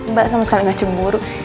mbak sama sekali gak cemburu